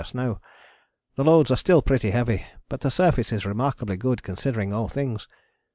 just now. The loads are still pretty heavy, but the surface is remarkably good considering all things.